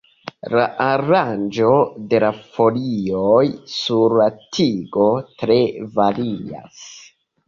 La aranĝo de la folioj sur la tigo tre varias.